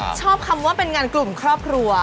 ชอบคำว่าเป็นงานกลุ่มครอบครัว